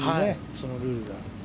そのルールが。